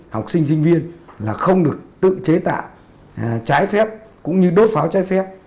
học sinh sinh viên là không được tự chế tạo trái phép cũng như đốt pháo trái phép